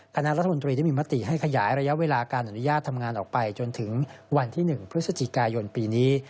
คณะรัฐมนตรีได้มีมติให้ขยายระยะเวลาการอนุญาตทำงานออกไปจนถึงวันที่๑พฤศจิกายนปีนี้